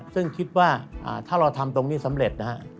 ซึ่งคิดว่าถ้าเราทำตรงนี้สำเร็จนะฮะ